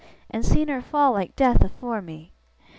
and seen her fall like death afore me.